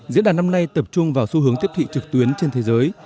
diễn đàn năm nay tập trung vào xu hướng tiếp thị trực tuyến trên thế giới